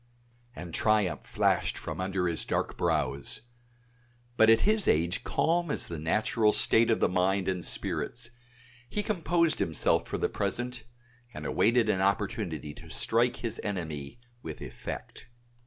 and triumph flashed from under his dark brows. But at his age calm is the natural state of the mind and spirits; he composed himself for the present, and awaited an opportunity to strike his enemy with effect.